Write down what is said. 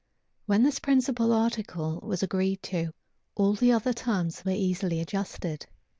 When this principal article was agreed to, all the other terms were easily adjusted.